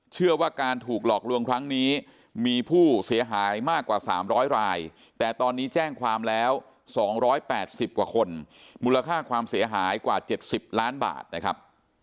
เชื่อว่าการถูกหลอกลวงครั้งนี้มีผู้เสียหายมากกว่า๓๐๐รายแต่ตอนนี้แจ้งความแล้ว๒๘๐กว่าคนมูลค่าความเสียหายกว่า๗๐ล้านบาทนะครับ